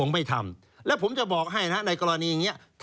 ไปเอาถุงคุมไว้